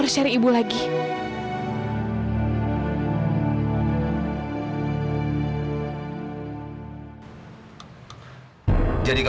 sebelah pak